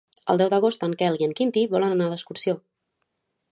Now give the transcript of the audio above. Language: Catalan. El deu d'agost en Quel i en Quintí volen anar d'excursió.